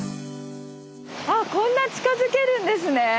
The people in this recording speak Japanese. あっこんな近づけるんですね。